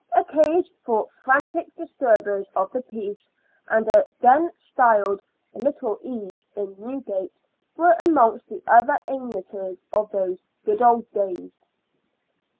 A cage for frantic disturbers of the peace, and a den styled " Little Ease," in Newgate, were amongst the other amenities of those good old days.